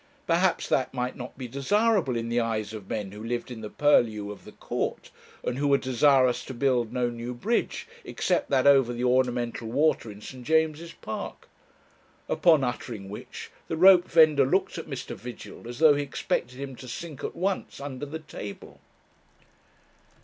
Perhaps that might not be desirable in the eyes of men who lived in the purlieus of the Court, and who were desirous to build no new bridge, except that over the ornamental water in St. James's Park.' Upon uttering which the rope vendor looked at Mr. Vigil as though he expected him to sink at once under the table.